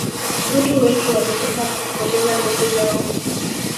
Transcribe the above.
watu wengi walikufa na kupoteza ndugu zao